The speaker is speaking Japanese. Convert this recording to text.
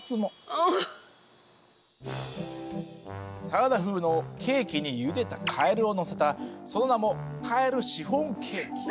サラダ風のケーキにゆでたカエルを乗せたその名もカエルシフォンケーキ。